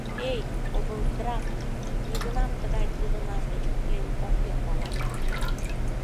Эй, облздрав, нигунам тыгай кӱлдымаш деч утлен ок керт ала-мо?